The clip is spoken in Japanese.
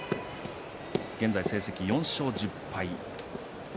現在、成績４勝１０敗。